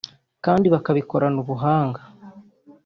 kandi bakabikorana ubuhanga